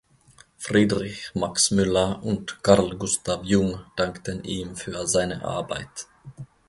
Friedrich Max Müller und Carl Gustav Jung dankten ihm für seine Arbeit.